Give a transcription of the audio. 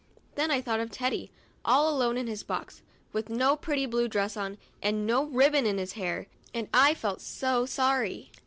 Then I thought of Teddy, all alone in his box, with no pretty blue dress on, and no ribbon in his hair, and I felt so sorry.